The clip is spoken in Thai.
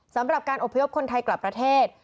สำหรับการอบพยพคนไทยกลับประเทศ